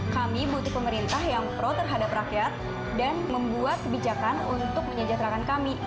kami butuh pemerintah yang pro terhadap rakyat dan membuat kebijakan untuk menyejahterakan kami